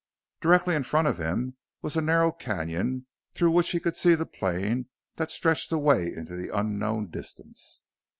Directly in front of him was a narrow canyon through which he could see a plain that stretched away into the unknown distance.